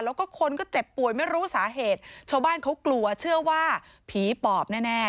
แล้วก็คนก็เจ็บป่วยไม่รู้สาเหตุชาวบ้านเขากลัวเชื่อว่าผีปอบแน่แน่